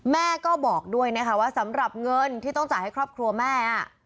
แม่ก็บอกด้วยนะคะว่าสำหรับเงินที่ต้องจ่ายให้ครอบครัวแม่